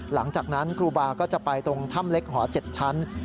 หลังจากนั้นครูบาก็จะไปตรงถ้ำเล็กหอ๗ชั้น